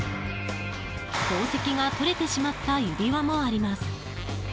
宝石が取れてしまった指輪もあります。